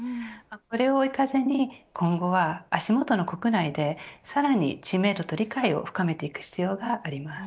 これを追い風に今後は足元の国内でさらに知名度と理解を深めていく必要があります。